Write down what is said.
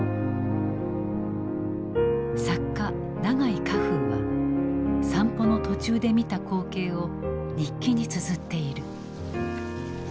作家永井荷風は散歩の途中で見た光景を日記につづっている。